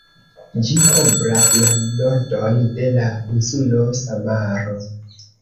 Ĝi kovras la nordon de la insulo Samaro.